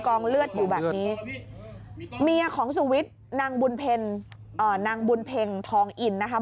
เลือดอยู่แบบนี้เมียของสุวิทย์นางบุญเพ็ญนางบุญเพ็งทองอินนะคะ